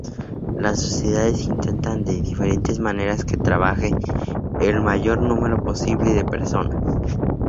Las sociedades intentan de diferentes maneras que trabaje el mayor número posible de personas.